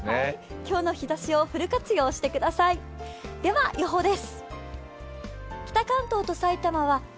今日の日ざしをフル活用してください、では予報です。